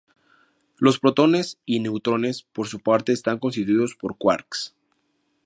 Los protones y neutrones por su parte están constituidos por quarks.